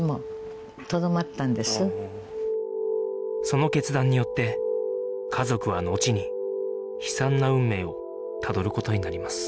その決断によって家族はのちに悲惨な運命をたどる事になります